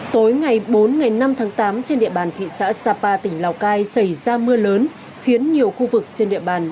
tối ngày bốn năm tháng tám trên địa bàn thị xã sapa tỉnh lào cai xảy ra mưa lớn khiến nhiều khu vực trên địa bàn